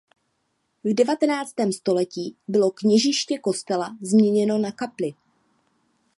V devatenáctém století bylo kněžiště kostela změněno na kapli.